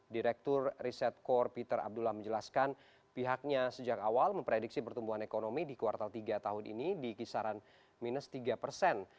direktur riset core peter abdullah menjelaskan pihaknya sejak awal memprediksi pertumbuhan ekonomi di kuartal tiga tahun ini di kisaran minus tiga persen